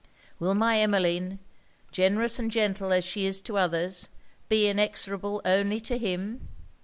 Will my Emmeline, generous and gentle as she is to others, be inexorable only to him?